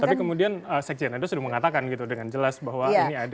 tapi kemudian sekjen anda sudah mengatakan gitu dengan jelas bahwa ini ada